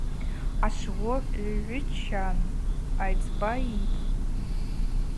Ашвокь йгӏвычан айцӏба йыйттӏ.